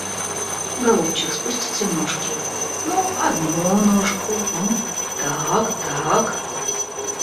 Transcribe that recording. Голубчик, спустите ножки, ну, одну ножку, ну, так, так.